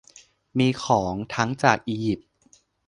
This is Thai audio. มีของทั้งจากอียิปต์